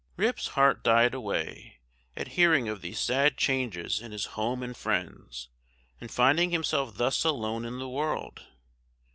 Rip's heart died away, at hearing of these sad changes in his home and friends, and finding himself thus alone in the world.